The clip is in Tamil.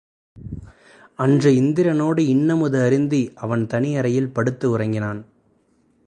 அன்று இந்திரனோடு இன் அமுது அருந்தி அவன் தனி அறையில் படுத்து உறங்கினான்.